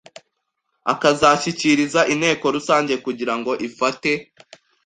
akazishyikiriza Inteko Rusange kugirango Ifate